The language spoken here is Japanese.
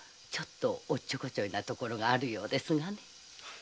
ちょっとおっちょこちょいなところがあるようですがね。